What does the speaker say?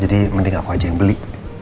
jadi mending aku aja yang beli